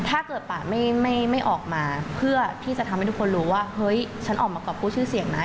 ถ้าเกิดป่าไม่ออกมาเพื่อที่จะทำให้ทุกคนรู้ว่าเฮ้ยฉันออกมากรอบกู้ชื่อเสียงนะ